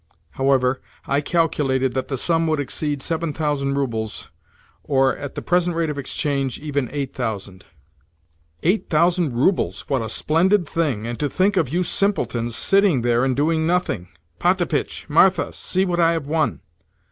However, I calculated that the sum would exceed seven thousand roubles—or, at the present rate of exchange, even eight thousand. "Eight thousand roubles! What a splendid thing! And to think of you simpletons sitting there and doing nothing! Potapitch! Martha! See what I have won!"